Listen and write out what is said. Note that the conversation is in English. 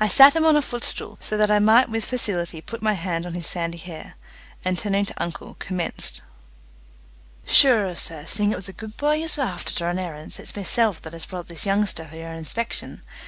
I sat him on a footstool, so that I might with facility put my hand on his sandy hair, and turning to uncle, commenced: "Shure, sir, seeing it was a good bhoy yez were afther to run errants, it's meself that has brought this youngsther for yer inspection.